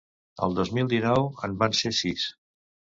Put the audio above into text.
El dos mil dinou en van ser sis.